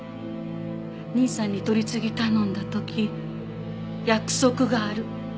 兄さんに取り次ぎ頼んだ時「約束がある」